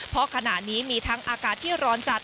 เพราะขณะนี้มีทั้งอากาศที่ร้อนจัด